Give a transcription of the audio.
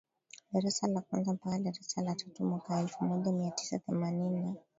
darasa la kwanza mpaka darasa la tatuMwaka elfu moja mia tisa themanini na